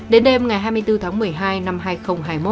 đến đêm ngày hai mươi bốn tháng một mươi hai năm hai nghìn hai mươi một